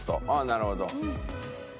なるほど。